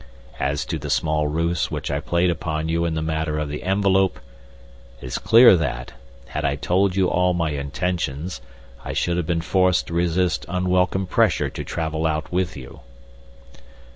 As to the small ruse which I played upon you in the matter of the envelope, it is clear that, had I told you all my intentions, I should have been forced to resist unwelcome pressure to travel out with you."